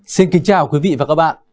xin kính chào quý vị và các bạn